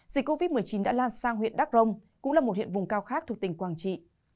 dịch covid một mươi chín đã lan sang huyện đắk rông cũng là một huyện vùng cao khác thuộc tỉnh quảng trị